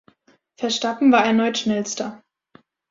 Verstappen war erneut Schnellster.